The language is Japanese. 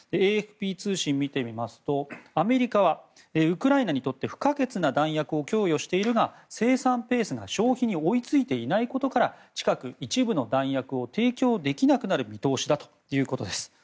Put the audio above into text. ＡＦＰ通信を見てみますとアメリカはウクライナにとって不可欠な弾薬を供与しているが生産ペースが消費に追いついていないことから近く、一部の弾薬を提供できなくなる見通しだということです。